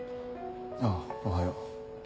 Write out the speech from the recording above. あぁおはよう。